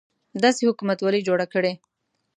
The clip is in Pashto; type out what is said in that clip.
داسې حکومتولي جوړه کړي.